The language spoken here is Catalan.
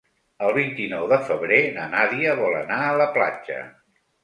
El vint-i-nou de febrer na Nàdia vol anar a la platja.